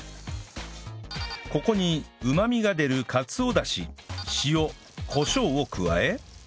ここにうまみが出るかつおダシ塩コショウを加え